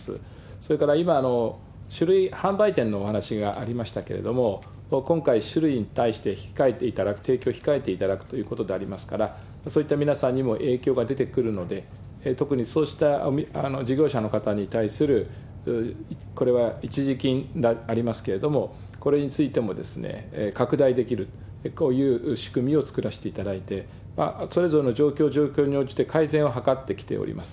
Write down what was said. それから今、酒類販売店のお話がありましたけれども、今回、酒類に対して控えていただく、提供を控えていただくということでありますから、そういった皆さんにも影響が出てくるので、特にそうした事業者の方に対する、これは一時金でありますけれども、これについても拡大できる、こういう仕組みを作らしていただいて、それぞれの状況状況に応じて改善を図ってきております。